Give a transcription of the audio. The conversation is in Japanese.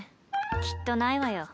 きっとないわよ。